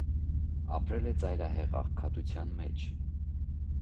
Ապրել է ծայրահեղ աղքատության մեջ։